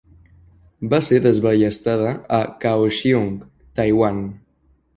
Va ser desballestada a Kaohsiung, Taiwan.